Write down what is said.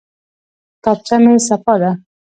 کتابچه مې صفا ده.